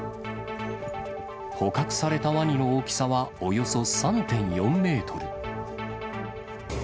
捕獲されたワニの大きさはおよそ３．４メートル。